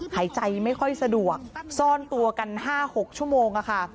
หายใจไม่ค่อยสะดวกซ่อนตัวกัน๕๖ชั่วโมงค่ะ